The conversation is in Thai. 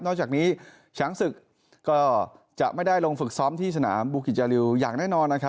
จากนี้ช้างศึกก็จะไม่ได้ลงฝึกซ้อมที่สนามบูกิจจาริวอย่างแน่นอนนะครับ